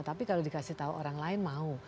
tapi kalau dikasih tahu orang lain mau